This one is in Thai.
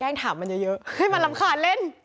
ยังถามเยอะมันร้ำขาดเล่น